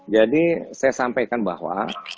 jadi saya sampaikan bahwa